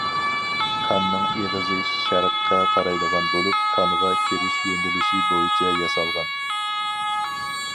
كاننىڭ ئېغىزى شەرققە قارايدىغان بولۇپ، كانغا كىرىش يۆنىلىشى بويىچە ياسالغان.